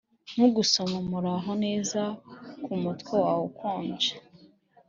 nkugusoma muraho neza kumutwe wawe ukonje,